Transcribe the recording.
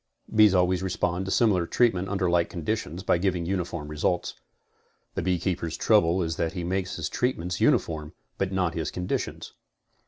Bees always respond to similar treatment under like conditions by giving uniform results. The beekeepers' trou ble is that he makes his treatments uniform but not his condi tions.